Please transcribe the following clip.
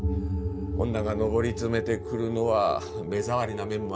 女が上り詰めてくるのは目障りな面もあるだろう。